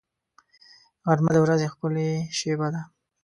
غرمه د ورځې ښکلې شېبه ده